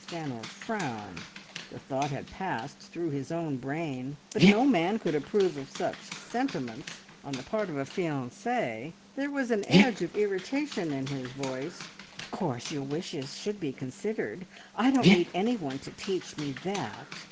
Stanor frowned. The thought had passed through his own brain, but no man could approve of such sentiments on the part of a fiancee. There was an edge of irritation in his voice "Of course your wishes should be considered. I don't need any one to teach me that.